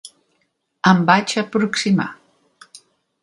Em vaig aproximar.